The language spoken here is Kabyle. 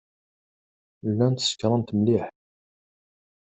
Llant sekṛent mliḥ.